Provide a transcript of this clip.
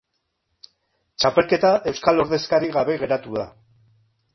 Txapelketa euskal ordezkari gabe geratu da.